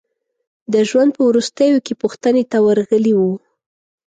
د ژوند په وروستیو کې پوښتنې ته ورغلي وو.